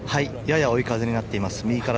やや追い風になっています。